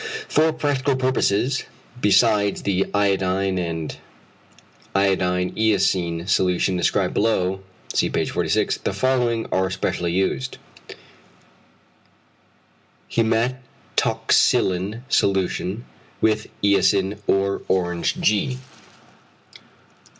For practical purposes, besides the iodine and iodine eosine solution described below (see page 46) the following are especially used: 1. =Hæmatoxylin solution with eosin or orange g.